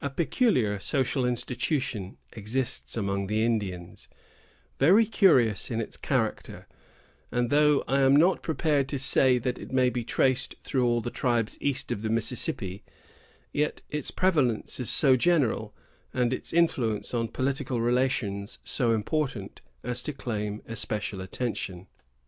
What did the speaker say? A peculiar social institution exists among the Indians, very curious in its character; and though I am not prepared to say that it may be traced through all the tribes east of the Mississippi, yet its prevalence is so general, and its influence on political relations so important, as to claim especial attention.